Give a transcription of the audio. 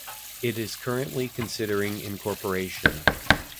It is currently considering incorporation.